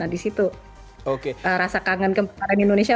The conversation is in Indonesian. di situ rasa kangen kemarin indonesia